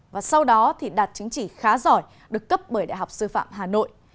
và sau đó thì đạt chứng chỉ khá giỏi được cấp bởi đại học sư phạm hà nội